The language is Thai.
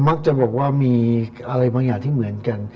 มักจะบอกว่ามีอะไรบางอย่างที่เหมือนกัน